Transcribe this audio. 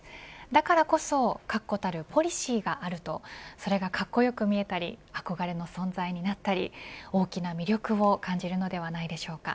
だからこそ確固たるポリシーがあるとそれがかっこよく見えたり憧れの存在になったり大きな魅力を感じるのではないでしょうか。